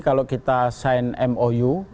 kalau kita sign mou